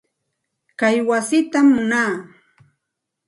Kay wasitam munaa.